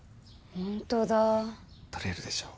ホントだ取れるでしょう？